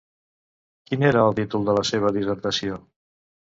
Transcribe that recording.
Quin era el títol de la seva dissertació?